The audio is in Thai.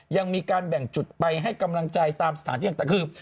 ยังมีการแบ่งจุดไปให้กำลังใจตามสถานที่ต่างคือ